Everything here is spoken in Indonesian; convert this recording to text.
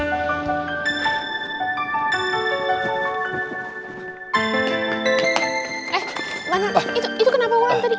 eh mana itu kenapa gua yang tadi